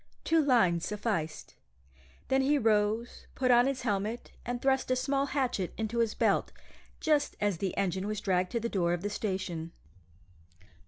Two lines sufficed. Then he rose, put on his helmet, and thrust a small hatchet into his belt, just as the engine was dragged to the door of the station.